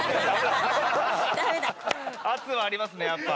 圧はありますねやっぱ。